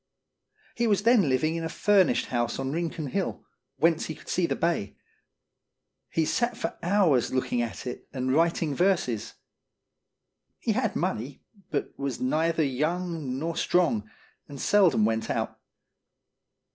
He was then living in a furnished house on Rincon Hill, whence he could see the bay. He sat for hours looking at it and writing verses. He had money, but was neither young nor strong, and seldom went out.